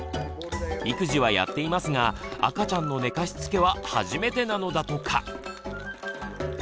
育児はやっていますが赤ちゃんの寝かしつけは初めてなのだとか！